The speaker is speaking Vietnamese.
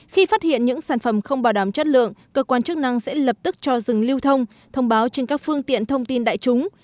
khi phát hiện những sản phẩm không bảo đảm chất lượng cơ quan chức năng sẽ lập tức cho dừng lưu thông thông báo trên các phương tiện thông tin đại chúng